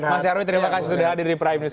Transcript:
mas nyarwi terima kasih sudah hadir di prime news